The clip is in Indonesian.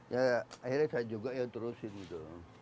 ya akhirnya saya juga yang terusin gitu